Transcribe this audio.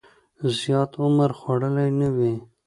زیات عمر خوړلی نه وي.